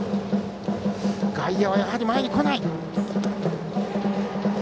外野はやはり前に来ない。